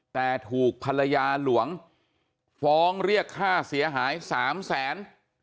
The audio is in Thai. แต่ถูกภรรยาหลวงฟ้องเรียกค่าเสียหาย๓แสน